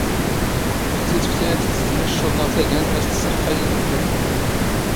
ⴱⵜⵜⵉ ⵜⴼⵜⴰ ⴰⴷ ⴷ ⵜⵣⴷⵎ ⵉⴽⵛⵛⵓⴹⵏ ⵖ ⵜⴰⴳⴰⵏⵜ ⵎⴰⵙ ⵜⵙⵙⵔⵇⵇⴰ ⵉ ⵉⵏⴽⴰⵏ.